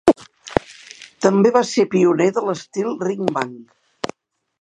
També va ser pioner de l'estil ringbang.